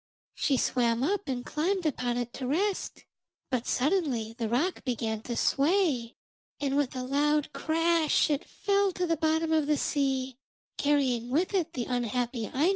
She swam up and climbed upon it to rest. But suddenly the rock began to sway, and with a loud crash it fell to the bottom of the sea, carrying with it the unhappy Aino.